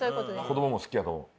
子どもも好きだと思う。